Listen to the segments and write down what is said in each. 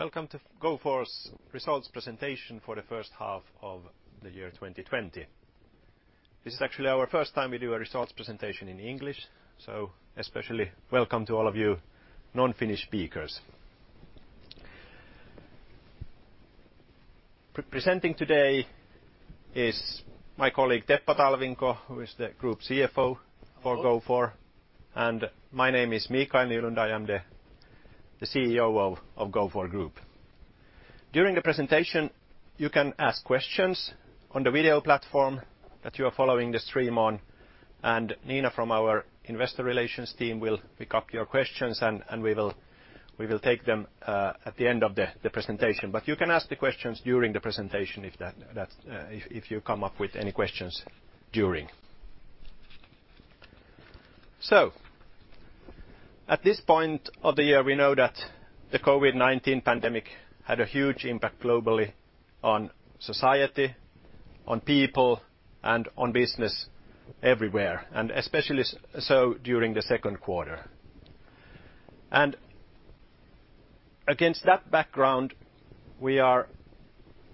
Welcome to Gofore's results presentation for the first half of the year, 2020. This is actually our first time we do a results presentation in English, so especially welcome to all of you non-Finnish speakers. Presenting today is my colleague, Teppo Talvinko, who is the group CFO for Gofore, and my name is Mikael Nylund. I am the CEO of Gofore Group. During the presentation, you can ask questions on the video platform that you are following the stream on, and Nina from our investor relations team will pick up your questions, and we will take them at the end of the presentation. But you can ask the questions during the presentation if you come up with any questions during. So at this point of the year, we know that the COVID-19 pandemic had a huge impact globally on society, on people, and on business everywhere, and especially so during the second quarter. Against that background, we are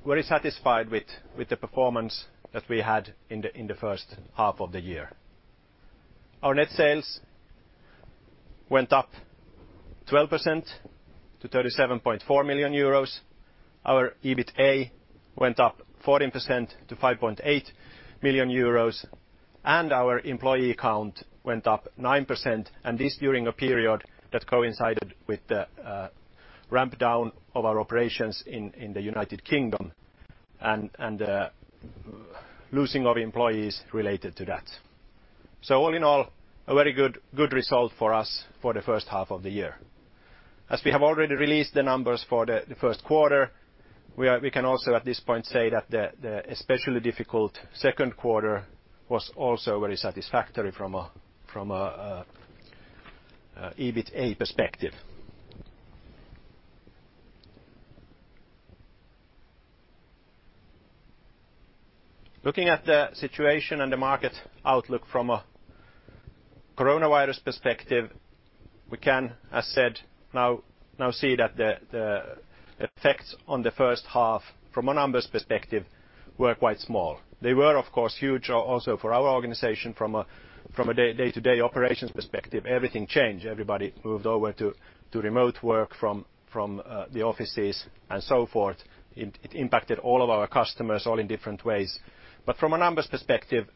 very satisfied with the performance that we had in the first half of the year. Our net sales went up 12% to 37.4 million euros. Our EBITA went up 14% to 5.8 million euros, and our employee count went up 9%, and this during a period that coincided with the ramp down of our operations in the United Kingdom and losing of employees related to that. So all in all, a very good result for us for the first half of the year. As we have already released the numbers for the first quarter, we are, we can also, at this point, say that the especially difficult second quarter was also very satisfactory from a EBITDA perspective. Looking at the situation and the market outlook from a coronavirus perspective, we can, as said, now see that the effects on the first half from a numbers perspective were quite small. They were, of course, huge also for our organization from a day-to-day operations perspective. Everything changed. Everybody moved over to remote work from the offices and so forth. It impacted all of our customers, all in different ways. But from a numbers perspective,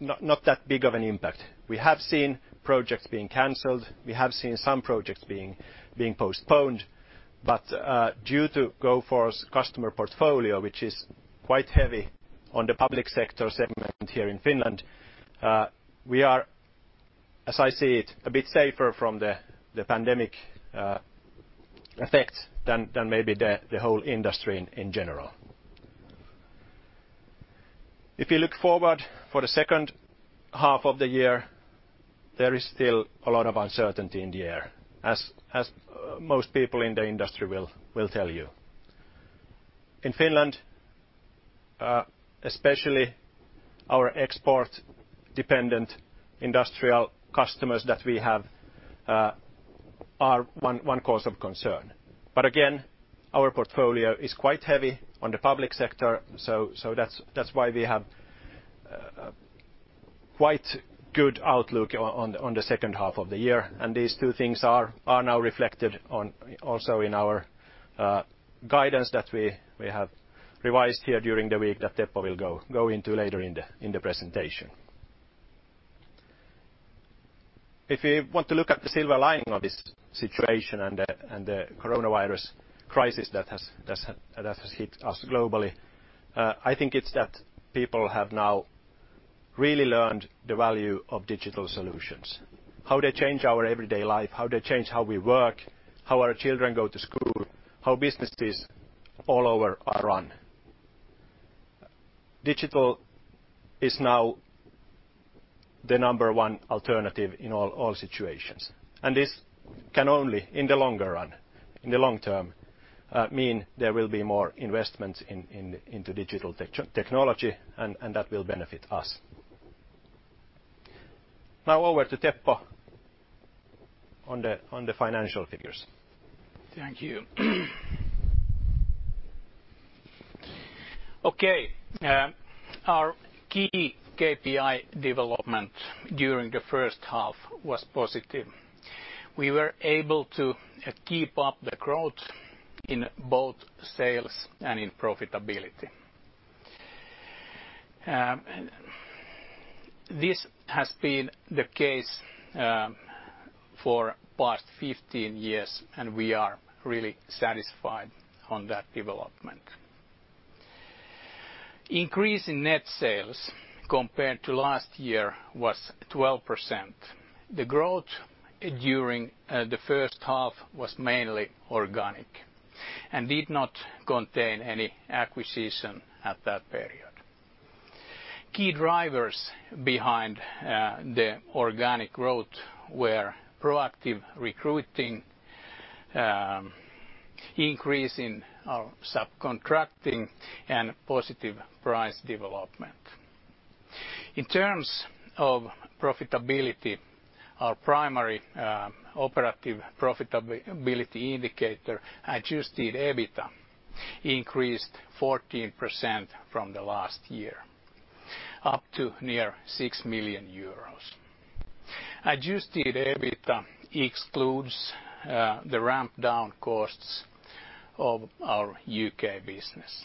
not that big of an impact. We have seen projects being canceled. We have seen some projects being postponed, but due to Gofore's customer portfolio, which is quite heavy on the public sector segment here in Finland, we are, as I see it, a bit safer from the pandemic effects than maybe the whole industry in general. If you look forward for the second half of the year, there is still a lot of uncertainty in the air, as most people in the industry will tell you. In Finland, especially our export-dependent industrial customers that we have are one cause of concern. But again, our portfolio is quite heavy on the public sector, so that's why we have a quite good outlook on the second half of the year. These two things are now reflected on also in our guidance that we have revised here during the week, that Teppo will go into later in the presentation. If you want to look at the silver lining of this situation and the coronavirus crisis that has hit us globally, I think it's that people have now really learned the value of digital solutions, how they change our everyday life, how they change how we work, how our children go to school, how businesses all over are run. Digital is now the number one alternative in all situations, and this can only, in the longer run, in the long term, mean there will be more investments into digital technology, and that will benefit us. Now over to Teppo on the financial figures. Thank you. Okay, our key KPI development during the first half was positive. We were able to keep up the growth in both sales and in profitability. And this has been the case for past 15 years, and we are really satisfied on that development. Increase in net sales compared to last year was 12%. The growth during the first half was mainly organic and did not contain any acquisition at that period. Key drivers behind the organic growth were proactive recruiting, increase in our subcontracting, and positive price development. In terms of profitability, our primary operative profitability indicator, adjusted EBITA, increased 14% from the last year, up to near EUR 6 million. Adjusted EBITA excludes the ramp-down costs of our U.K. business.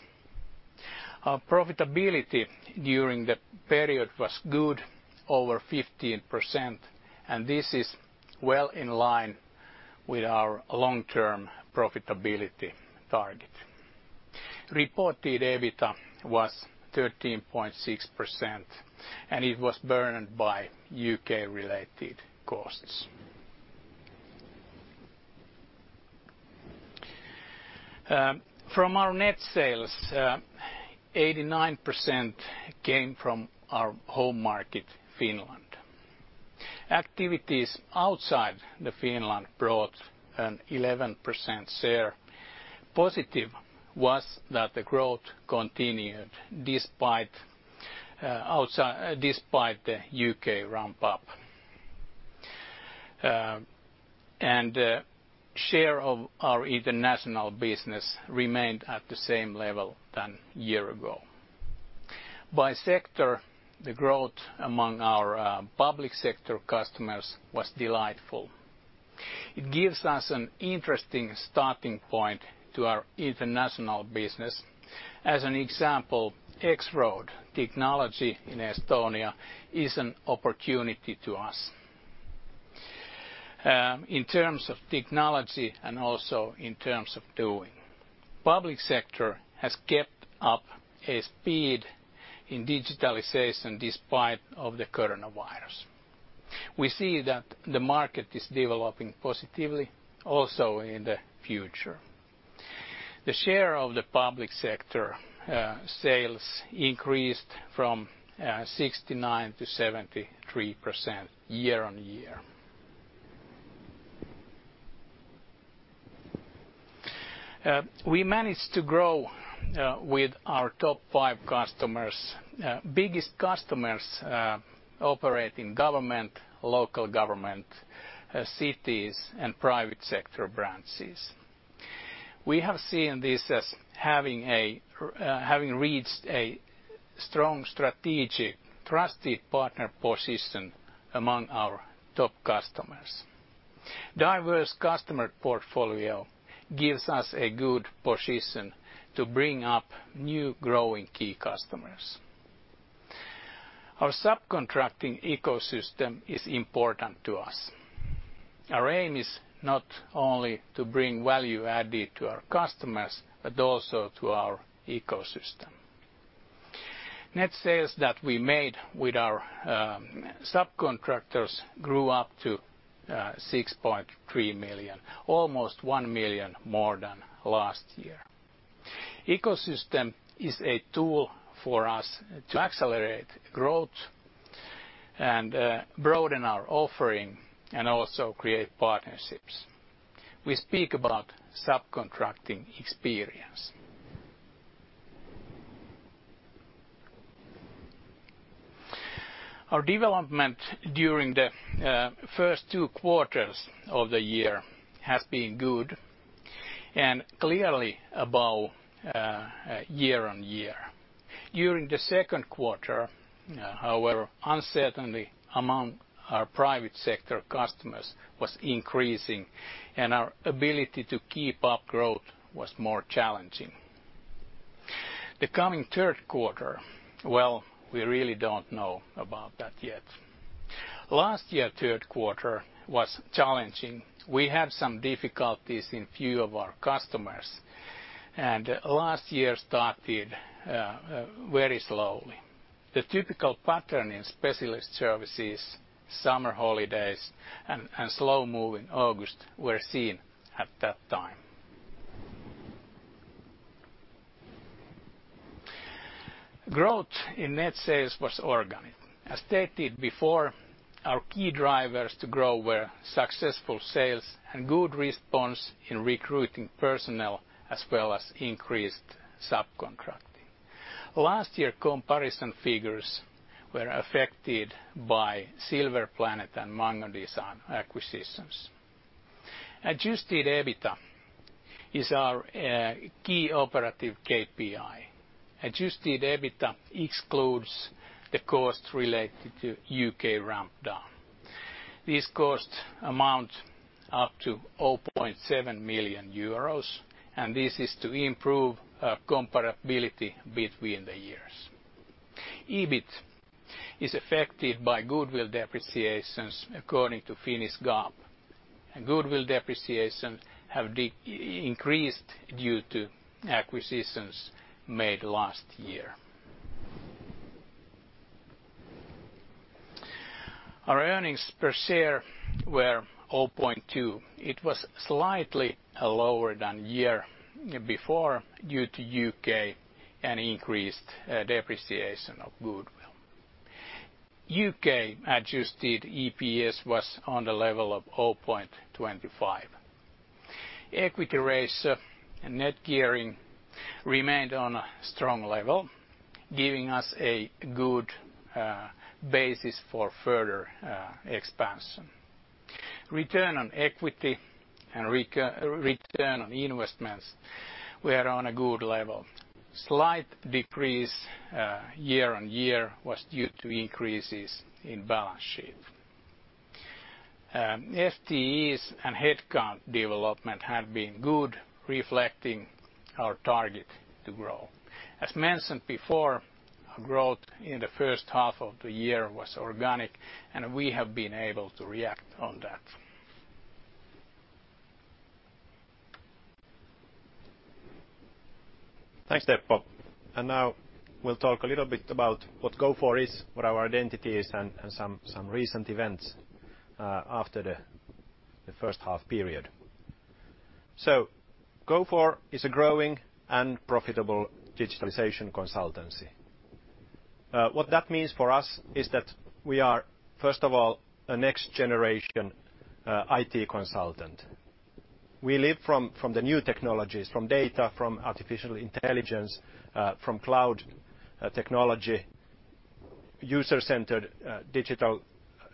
Our profitability during the period was good, over 15%, and this is well in line with our long-term profitability target. Reported EBITA was 13.6%, and it was burdened by U.K.-related costs. From our net sales, 89% came from our home market, Finland. Activities outside the Finland brought an 11% share. Positive was that the growth continued despite the U.K. ramp up. And share of our international business remained at the same level than year ago. By sector, the growth among our public sector customers was delightful. It gives us an interesting starting point to our international business. As an example, X-Road technology in Estonia is an opportunity to us in terms of technology and also in terms of doing. Public sector has kept up a speed in digitalization despite of the coronavirus. We see that the market is developing positively, also in the future. The share of the public sector sales increased from 69%-73% year-on-year. We managed to grow with our top five customers. Biggest customers operate in government, local government, cities, and private sector branches. We have seen this as having reached a strong strategic trusted partner position among our top customers. Diverse customer portfolio gives us a good position to bring up new growing key customers. Our subcontracting ecosystem is important to us. Our aim is not only to bring value added to our customers, but also to our ecosystem. Net sales that we made with our subcontractors grew up to 6.3 million, almost 1 million more than last year. Ecosystem is a tool for us to accelerate growth and broaden our offering and also create partnerships. We speak about subcontracting experience. Our development during the first two quarters of the year has been good and clearly above year-on-year. During the second quarter, however, uncertainty among our private sector customers was increasing, and our ability to keep up growth was more challenging. The coming third quarter, well, we really don't know about that yet. Last year, third quarter was challenging. We had some difficulties in few of our customers, and last year started very slowly. The typical pattern in specialist services, summer holidays, and slow move in August were seen at that time. Growth in net sales was organic. As stated before, our key drivers to grow were successful sales and good response in recruiting personnel, as well as increased subcontracting. Last year, comparison figures were affected by Silver Planet and Mango Design acquisitions. Adjusted EBITA is our key operative KPI. Adjusted EBITA excludes the cost related to U.K. ramp-down. This cost amounted to 0.7 million euros, and this is to improve comparability between the years. EBIT is affected by goodwill depreciations according to Finnish GAAP, and goodwill depreciation have increased due to acquisitions made last year. Our earnings per share were 0.2. It was slightly lower than year before due to U.K. and increased depreciation of goodwill. U.K. adjusted EPS was on the level of 0.25... equity ratio and net gearing remained on a strong level, giving us a good basis for further expansion. Return on equity and return on investments were on a good level. Slight decrease year-on-year was due to increases in balance sheet. FTEs and headcount development have been good, reflecting our target to grow. As mentioned before, growth in the first half of the year was organic, and we have been able to react on that. Thanks, Teppo. Now we'll talk a little bit about what Gofore is, what our identity is, and some recent events after the first half period. Gofore is a growing and profitable digitalization consultancy. What that means for us is that we are, first of all, a next generation IT consultant. We live from the new technologies, from data, from artificial intelligence, from cloud technology, user-centered digital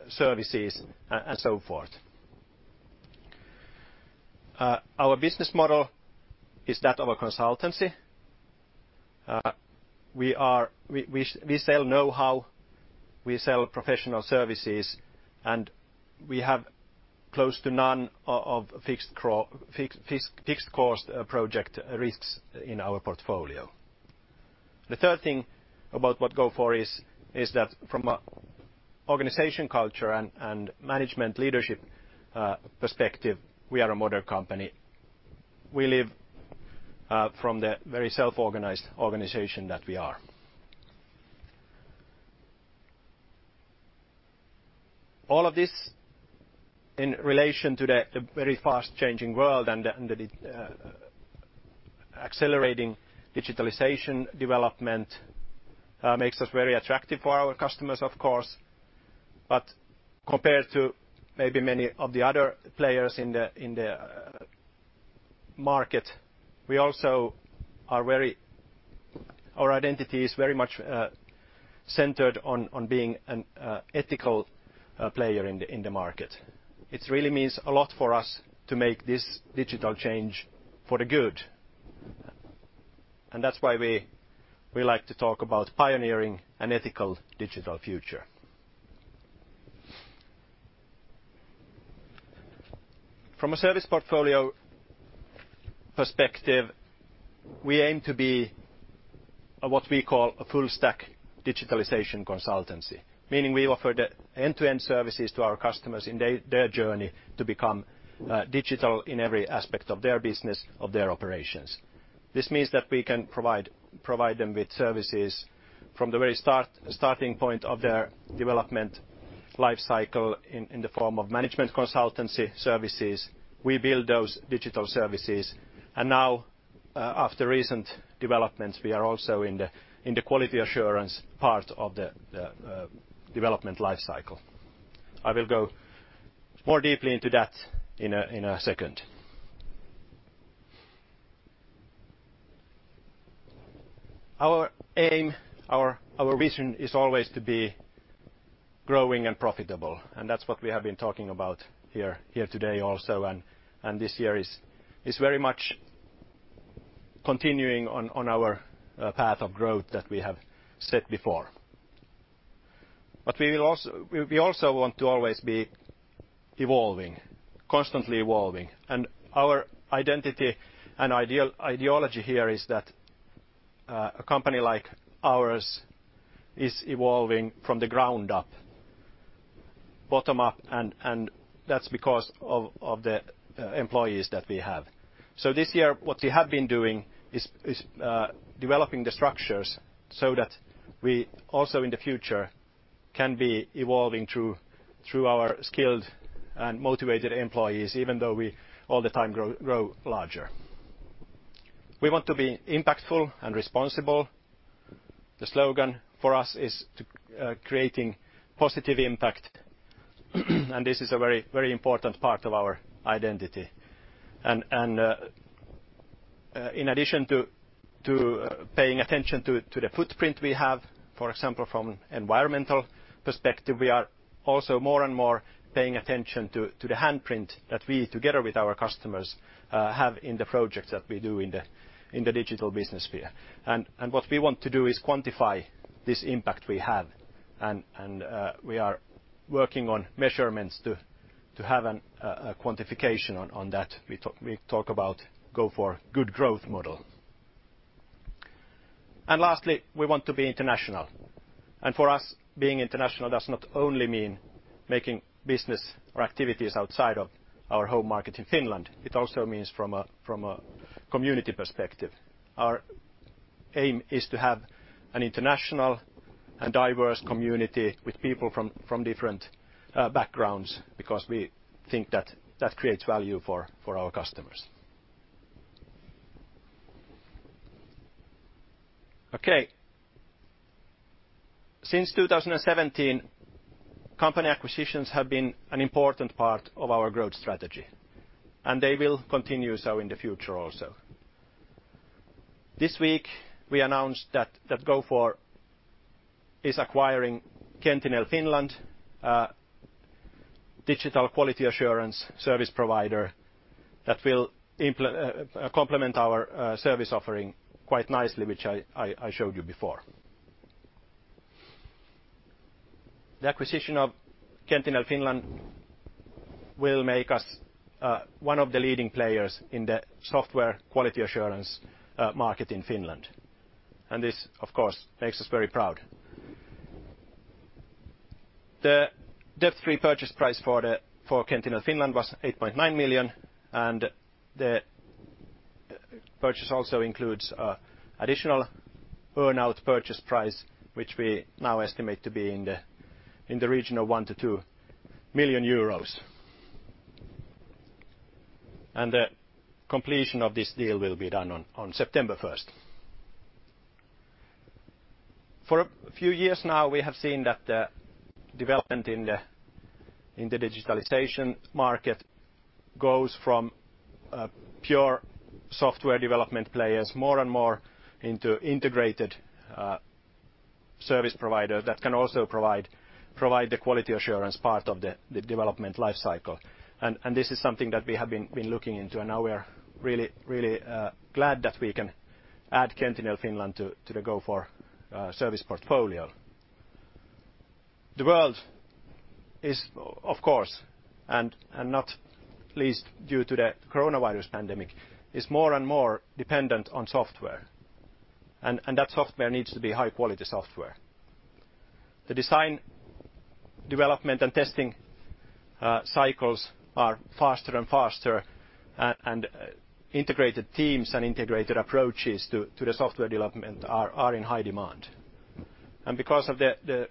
services, and so forth. Our business model is that of a consultancy. We sell know-how, we sell professional services, and we have close to none of fixed cost project risks in our portfolio. The third thing about what Gofore is, is that from an organization culture and management leadership perspective, we are a modern company. We live from the very self-organized organization that we are. All of this in relation to the very fast-changing world and the accelerating digitalization development makes us very attractive for our customers, of course. But compared to maybe many of the other players in the market, we also are very. Our identity is very much centered on being an ethical player in the market. It really means a lot for us to make this digital change for the good, and that's why we like to talk about pioneering an ethical digital future. From a service portfolio perspective, we aim to be a, what we call, a full-stack digitalization consultancy, meaning we offer the end-to-end services to our customers in their journey to become digital in every aspect of their business, of their operations. This means that we can provide them with services from the very starting point of their development life cycle in the form of management consultancy services. We build those digital services, and now, after recent developments, we are also in the quality assurance part of the development life cycle. I will go more deeply into that in a second. Our aim, our, our vision is always to be growing and profitable, and that's what we have been talking about here, here today also, and, and this year is, is very much continuing on, on our, path of growth that we have set before. But we will also- we, we also want to always be evolving, constantly evolving, and our identity and ideal- ideology here is that, a company like ours is evolving from the ground up, bottom up, and, and that's because of, of the, employees that we have. So this year, what we have been doing is, is, developing the structures so that we also in the future can be evolving through, through our skilled and motivated employees, even though we all the time grow, grow larger. We want to be impactful and responsible. The slogan for us is to creating positive impact, and this is a very, very important part of our identity. And in addition to paying attention to the footprint we have, for example, from environmental perspective, we are also more and more paying attention to the handprint that we, together with our customers, have in the projects that we do in the digital business sphere. And what we want to do is quantify this impact we have, and we are working on measurements to have a quantification on that. We talk about Gofore Good Growth model. And lastly, we want to be international. And for us, being international does not only mean making business or activities outside of our home market in Finland, it also means from a community perspective. Our aim is to have an international and diverse community with people from different backgrounds, because we think that that creates value for our customers.... Okay. Since 2017, company acquisitions have been an important part of our growth strategy, and they will continue so in the future also. This week, we announced that Gofore is acquiring Qentinel Finland, digital quality assurance service provider that will complement our service offering quite nicely, which I showed you before. The acquisition of Qentinel Finland will make us one of the leading players in the software quality assurance market in Finland, and this, of course, makes us very proud. The debt-free purchase price for Qentinel Finland was 8.9 million, and the purchase also includes a additional earn-out purchase price, which we now estimate to be in the region of 1 million-2 million euros. The completion of this deal will be done on September 1st. For a few years now, we have seen that the development in the digitalization market goes from a pure software development players more and more into integrated service provider that can also provide the quality assurance part of the development life cycle. This is something that we have been looking into, and now we are really glad that we can add Qentinel Finland to the Gofore service portfolio. The world is, of course, not least due to the coronavirus pandemic, is more and more dependent on software. That software needs to be high-quality software. The design, development, and testing cycles are faster and faster, and integrated teams and integrated approaches to the software development are in high demand. And because of the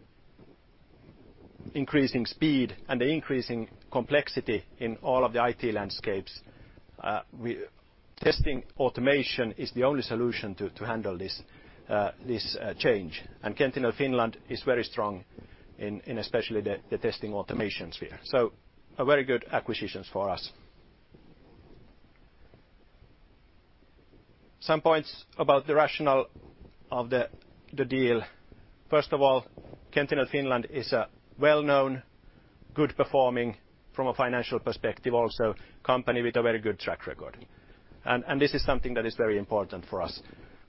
increasing speed and the increasing complexity in all of the IT landscapes, testing automation is the only solution to handle this change. And Qentinel Finland is very strong in especially the testing automation sphere, so a very good acquisitions for us. Some points about the rationale of the deal. First of all, Qentinel Finland is a well-known, good-performing, from a financial perspective also, company with a very good track record. This is something that is very important for us.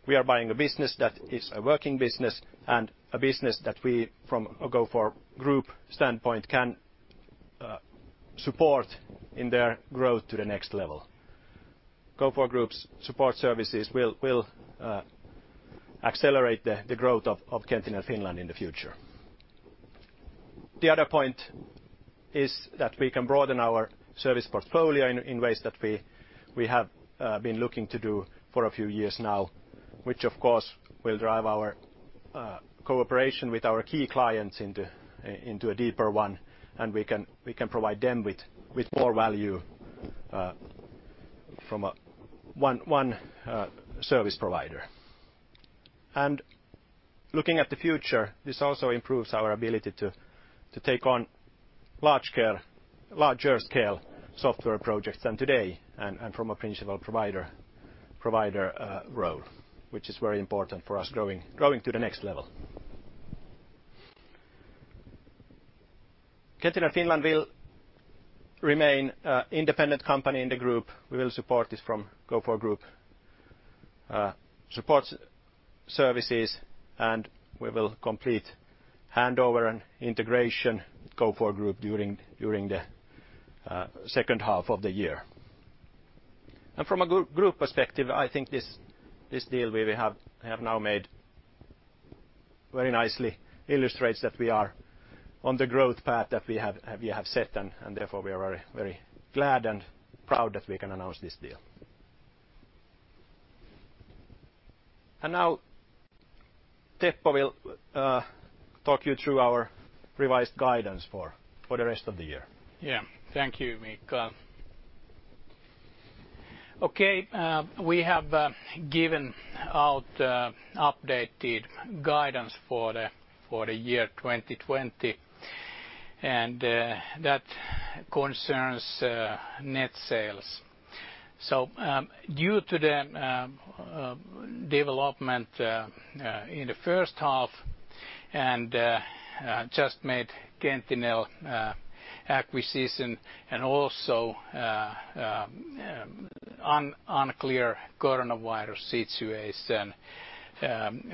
We are buying a business that is a working business and a business that we, from a Gofore Group standpoint, can support in their growth to the next level. Gofore Group's support services will accelerate the growth of Qentinel Finland in the future. The other point is that we can broaden our service portfolio in ways that we have been looking to do for a few years now, which, of course, will drive our cooperation with our key clients into a deeper one, and we can provide them with more value from a one service provider. And looking at the future, this also improves our ability to take on larger scale software projects than today, and from a principal provider role, which is very important for us growing to the next level. Qentinel Finland will remain an independent company in the group. We will support this from Gofore Group support services, and we will complete handover and integration with Gofore Group during the second half of the year. And from a group perspective, I think this deal we have now made very nicely illustrates that we are on the growth path that we have set, and therefore, we are very glad and proud that we can announce this deal. And now Teppo will talk you through our revised guidance for the rest of the year. Yeah. Thank you, Miikka. Okay, we have given out updated guidance for the year 2020, and that concerns net sales. Due to the development in the first half and just made Qentinel acquisition and also unclear coronavirus situation,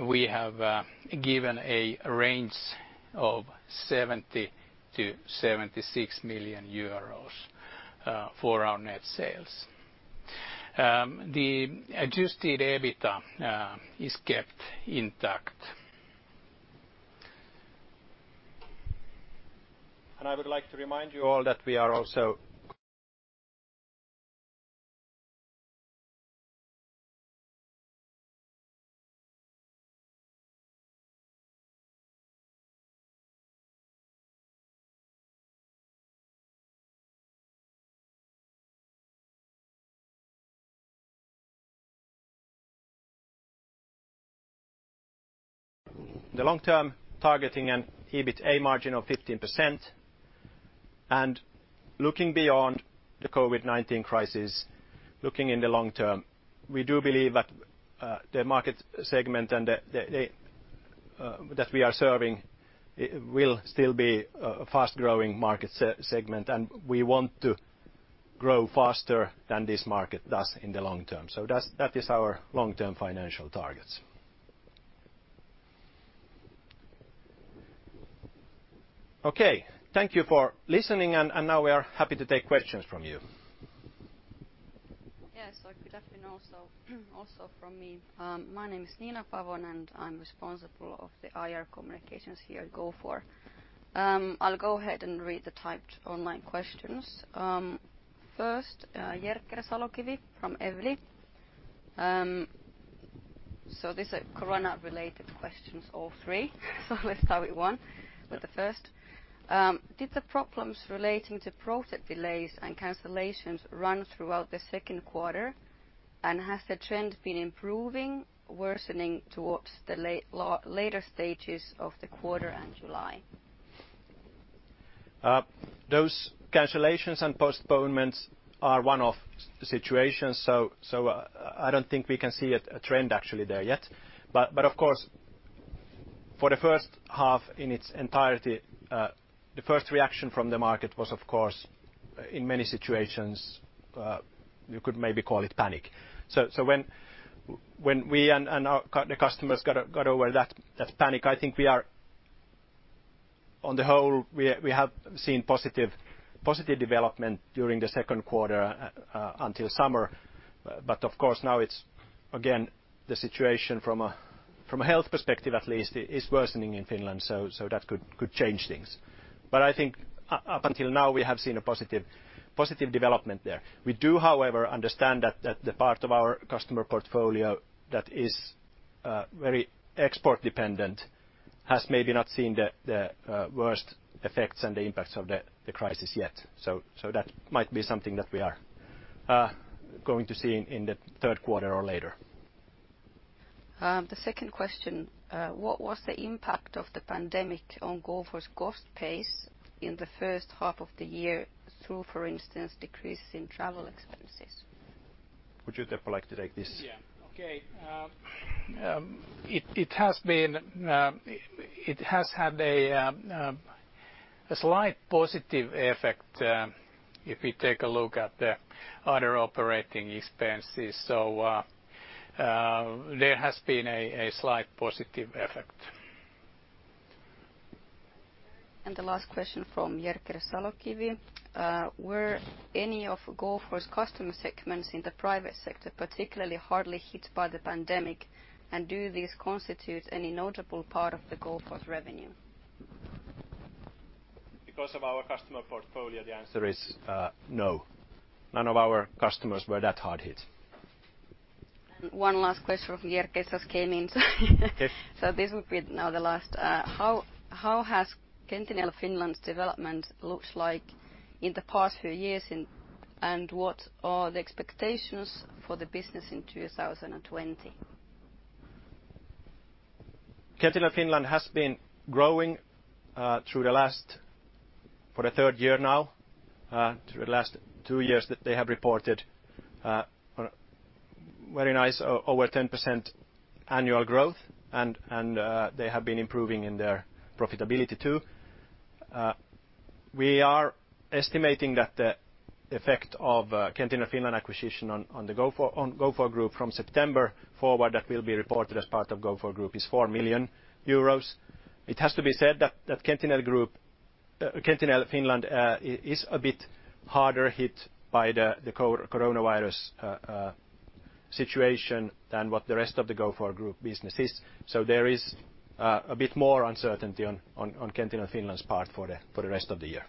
we have given a range of 70 million-76 million euros for our net sales. The adjusted EBITA is kept intact. I would like to remind you all that we are also targeting an EBITA margin of 15%, and looking beyond the COVID-19 crisis, looking in the long term, we do believe that the market segment that we are serving, it will still be a fast-growing market segment, and we want to grow faster than this market does in the long term. So that is our long-term financial targets. Okay, thank you for listening, and now we are happy to take questions from you. Yes, good afternoon also, also from me. My name is Nina Pavén, and I'm responsible of the IR communications here at Gofore. I'll go ahead and read the typed online questions. First, Jerker Salokivi from Evli. So these are corona-related questions, all three, so let's start with one, with the first. Did the problems relating to profit delays and cancellations run throughout the second quarter, and has the trend been improving, worsening towards the later stages of the quarter and July? Those cancellations and postponements are one-off situations, so I don't think we can see a trend actually there yet. But of course, for the first half in its entirety, the first reaction from the market was, of course, in many situations, you could maybe call it panic. So when we and our customers got over that panic, I think we are on the whole, we have seen positive development during the second quarter until summer. But of course, now it's again, the situation from a health perspective, at least, is worsening in Finland, so that could change things. But I think up until now, we have seen a positive development there. We do, however, understand that the part of our customer portfolio that is very export-dependent has maybe not seen the worst effects and the impacts of the crisis yet. So that might be something that we are going to see in the third quarter or later. The second question: What was the impact of the pandemic on Gofore's cost base in the first half of the year through, for instance, decreases in travel expenses? Would you, Teppo, like to take this? Yeah. Okay, it has had a slight positive effect if we take a look at the other operating expenses. So, there has been a slight positive effect. The last question from Jerker Salokivi: Were any of Gofore's customer segments in the private sector particularly hard hit by the pandemic, and do these constitute any notable part of the Gofore revenue? Because of our customer portfolio, the answer is, no. None of our customers were that hard hit. One last question from Jerker just came in. Okay. So this will be now the last. How, how has Qentinel Finland's development looks like in the past few years, and, and what are the expectations for the business in 2020? Qentinel Finland has been growing for the third year now. Through the last two years, they have reported very nice, over 10% annual growth, and they have been improving in their profitability, too. We are estimating that the effect of Qentinel Finland acquisition on the Gofore, on Gofore Group from September forward, that will be reported as part of Gofore Group, is 4 million euros. It has to be said that Qentinel Group, Qentinel Finland, is a bit harder hit by the coronavirus situation than what the rest of the Gofore Group business is. So there is a bit more uncertainty on Qentinel Finland's part for the rest of the year.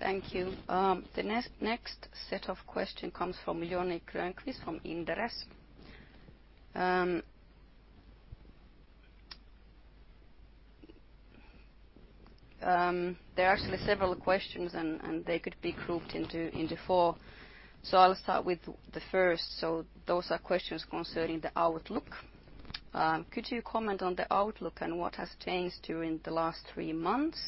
Thank you. The next set of questions comes from Joni Grönqvist from Inderes. There are actually several questions, and they could be grouped into four. I'll start with the first. Those are questions concerning the outlook. Could you comment on the outlook and what has changed during the last three months?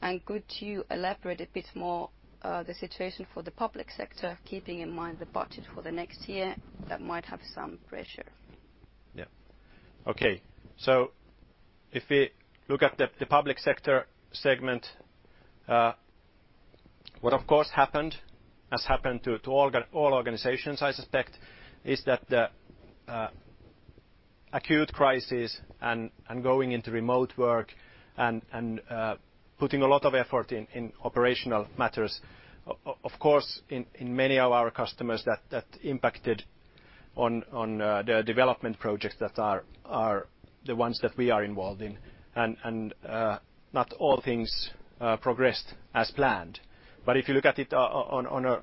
And could you elaborate a bit more, the situation for the public sector, keeping in mind the budget for the next year, that might have some pressure? Yeah. Okay, so if we look at the public sector segment, what of course happened has happened to all organizations, I suspect, is that the acute crisis and going into remote work and putting a lot of effort in operational matters, of course, in many of our customers, that impacted on the development projects that are the ones that we are involved in. And not all things progressed as planned. But if you look at it on,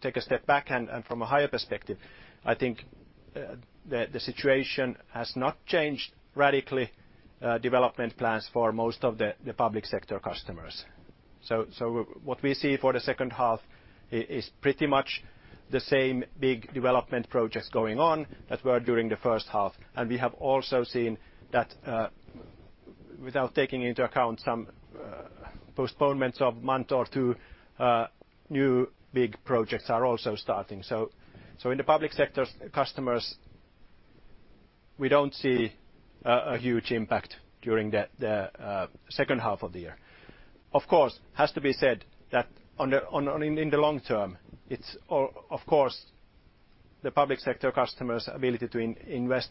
take a step back and from a higher perspective, I think the situation has not changed radically. Development plans for most of the public sector customers. So what we see for the second half is pretty much the same big development projects going on that were during the first half. And we have also seen that, without taking into account some postponements of a month or two, new big projects are also starting. So in the public sector's customers, we don't see a huge impact during the second half of the year. Of course, it has to be said that in the long term, of course, the public sector customers' ability to invest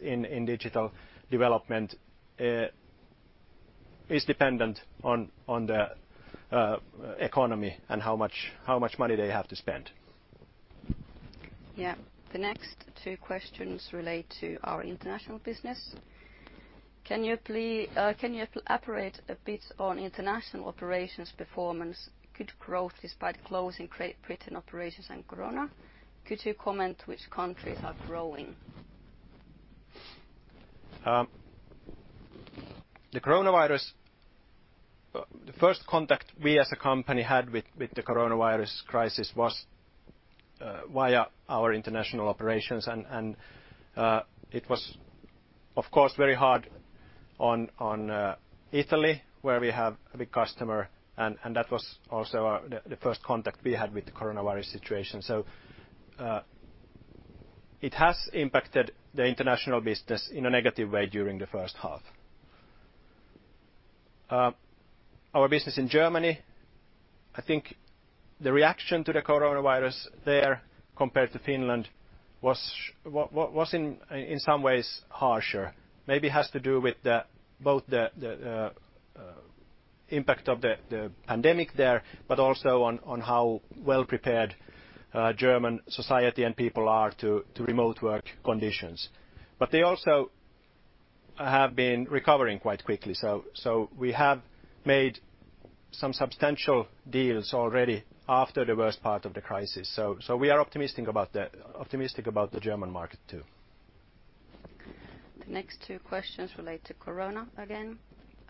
in digital development is dependent on the economy and how much money they have to spend. Yeah. The next two questions relate to our international business. Can you elaborate a bit on international operations performance? Good growth despite closing Great Britain operations and corona. Could you comment which countries are growing? The first contact we as a company had with the coronavirus crisis was via our international operations. It was, of course, very hard on Italy, where we have a big customer, and that was also our first contact we had with the coronavirus situation. It has impacted the international business in a negative way during the first half. Our business in Germany, I think the reaction to the coronavirus there, compared to Finland, was in some ways harsher. Maybe has to do with both the impact of the pandemic there, but also on how well-prepared German society and people are to remote work conditions. But they also have been recovering quite quickly. We have made some substantial deals already after the worst part of the crisis. We are optimistic about the German market, too. The next two questions relate to corona again.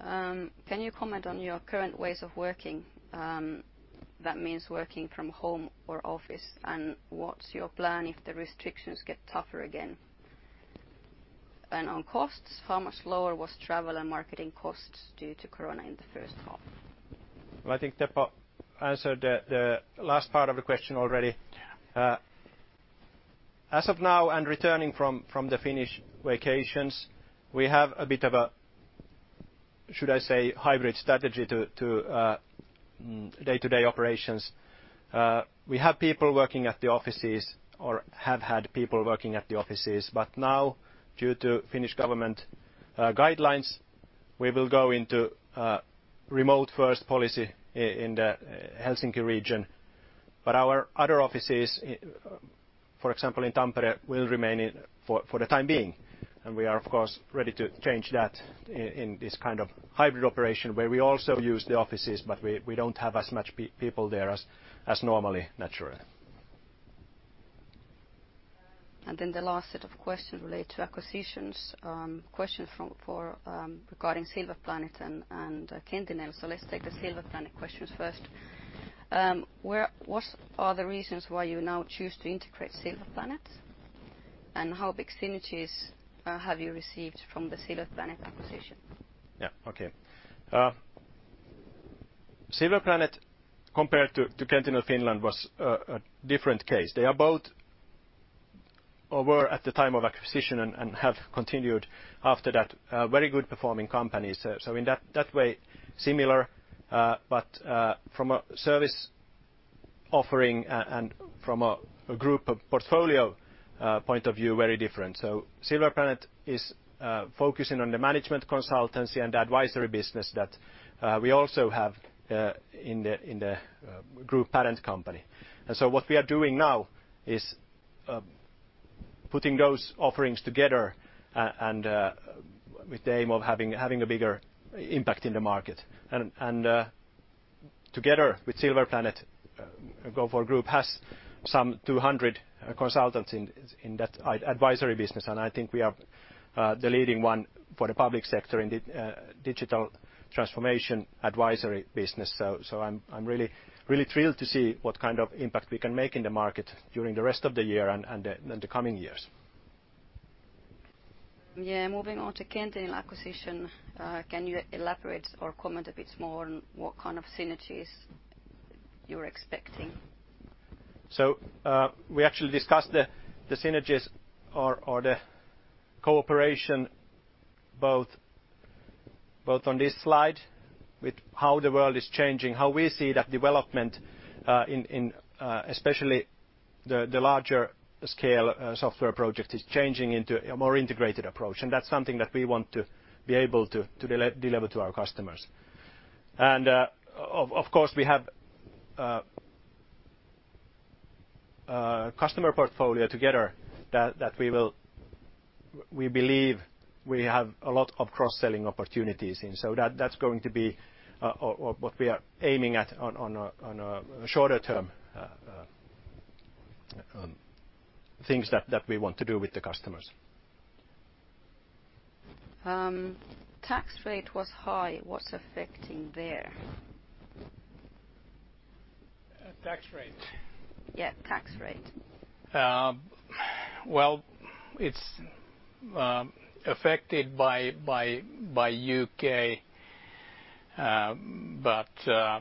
Can you comment on your current ways of working? That means working from home or office, and what's your plan if the restrictions get tougher again? And on costs, how much lower was travel and marketing costs due to corona in the first half? Well, I think Teppo answered the last part of the question already. As of now, and returning from the Finnish vacations, we have a bit of a, should I say, hybrid strategy to day-to-day operations. We have people working at the offices, or have had people working at the offices, but now, due to Finnish government guidelines, we will go into a remote-first policy in the Helsinki region. But our other offices, for example, in Tampere, will remain in for the time being. And we are, of course, ready to change that in this kind of hybrid operation, where we also use the offices, but we don't have as much people there as normally, naturally. And then the last set of questions relate to acquisitions. Question from [Name], regarding Silver Planet and Qentinel. So let's take the Silver Planet questions first. What are the reasons why you now choose to integrate Silver Planet? And how big synergies have you received from the Silver Planet acquisition? Yeah. Okay. Silver Planet, compared to Qentinel Finland, was a different case. They are both, or were at the time of acquisition and have continued after that, very good-performing companies. So in that way, similar, but from a service offering and from a group of portfolio point of view, very different. So Silver Planet is focusing on the management consultancy and advisory business that we also have in the group parent company. And so what we are doing now is putting those offerings together and with the aim of having a bigger impact in the market. Together with Silver Planet, Gofore Group has some 200 consultants in that advisory business, and I think we are the leading one for the public sector in the digital transformation advisory business. So, I'm really thrilled to see what kind of impact we can make in the market during the rest of the year and the coming years. Yeah, moving on to Qentinel acquisition. Can you elaborate or comment a bit more on what kind of synergies you're expecting? So, we actually discussed the synergies or the cooperation both on this slide with how the world is changing, how we see that development in especially the larger-scale software project is changing into a more integrated approach, and that's something that we want to be able to deliver to our customers. And, of course, we have customer portfolio together that we will... We believe we have a lot of cross-selling opportunities, and so that's going to be or what we are aiming at on a shorter term time frame... things that we want to do with the customers. Tax rate was high. What's affecting there? Tax rate? Yeah, tax rate. Well, it's affected by U.K. But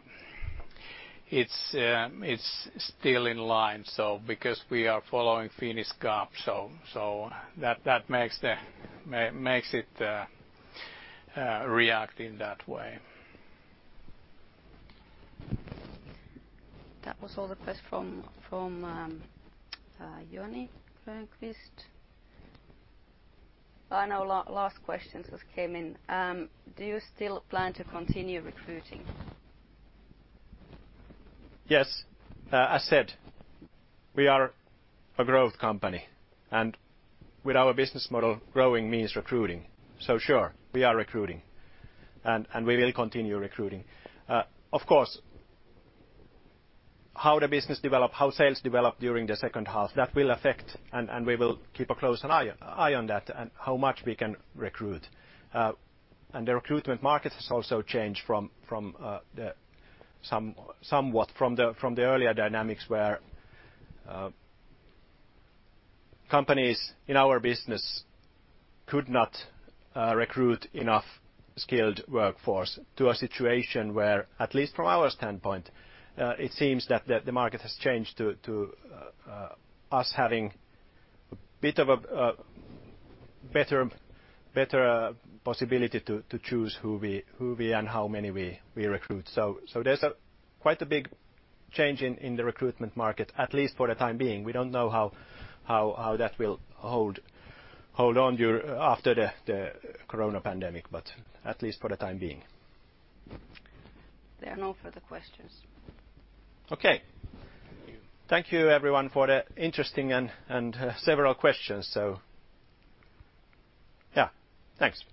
it's still in line, so because we are following Finnish GAAP, so that makes it react in that way. That was all the questions from Joni Grönqvist. I know last questions just came in. Do you still plan to continue recruiting? Yes. As said, we are a growth company, and with our business model, growing means recruiting. So sure, we are recruiting, and we will continue recruiting. Of course, how the business develop, how sales develop during the second half, that will affect, and we will keep a close eye on that and how much we can recruit. And the recruitment market has also changed somewhat from the earlier dynamics, where companies in our business could not recruit enough skilled workforce to a situation where, at least from our standpoint, it seems that the market has changed to us having a bit of a better possibility to choose who we and how many we recruit. So there's quite a big change in the recruitment market, at least for the time being. We don't know how that will hold on after the coronavirus pandemic, but at least for the time being. There are no further questions. Okay. Thank you, everyone, for the interesting and several questions. So yeah, thanks.